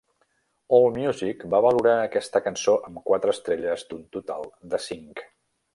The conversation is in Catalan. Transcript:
"Allmusic" va valorar aquesta cançó amb quatre estrelles d'un total de cinc.